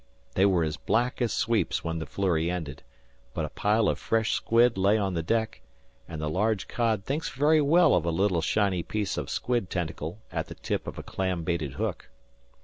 They were as black as sweeps when the flurry ended; but a pile of fresh squid lay on the deck, and the large cod thinks very well of a little shiny piece of squid tentacle at the tip of a clam baited hook.